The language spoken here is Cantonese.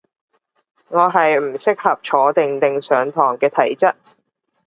我係唔適合坐定定上堂嘅體質